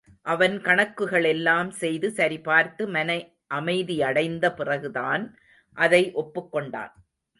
அவன் கணக்குகளெல்லாம் செய்து சரிபார்த்து, மனஅமைதியடைந்த பிறகுதான், அதை ஒப்புக் கொண்டான்.